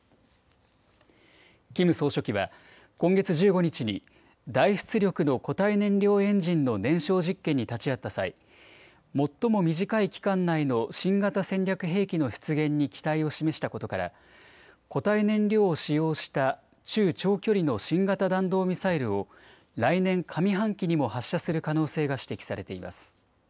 キム総書記は今月１５日に大出力の固体燃料エンジンの燃焼実験に立ち会った際、最も短い期間内の新型戦略兵器の出現に期待を示したことから固体燃料を使用した中・長距離の新型弾道ミサイルを来年上半期にも発射する可能性が指摘されています。